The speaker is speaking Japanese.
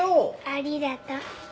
ありがとう。